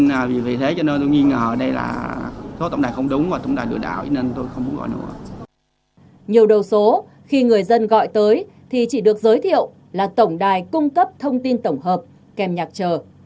nhiều đầu số khi người dân gọi tới thì chỉ được giới thiệu là tổng đài cung cấp thông tin tổng hợp kèm nhạc trờ